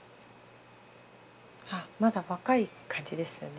あまだ若い感じですよね。